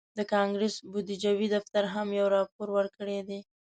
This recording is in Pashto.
د کانګرس بودیجوي دفتر هم یو راپور ورکړی دی